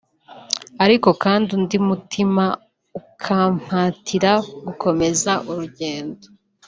ariko kandi undi mutima ukampatira gukomeza urugendo